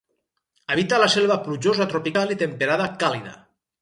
Habita la selva plujosa tropical i temperada càlida.